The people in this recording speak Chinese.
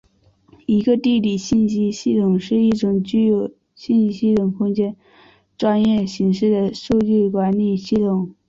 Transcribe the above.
一个地理信息系统是一种具有信息系统空间专业形式的数据管理系统。